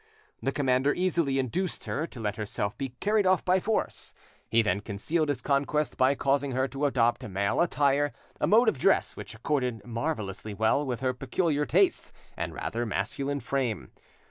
The commander easily induced her to let herself be carried off by force. He then concealed his conquest by causing her to adopt male attire, a mode of dress which accorded marvellously well with her peculiar tastes and rather masculine frame.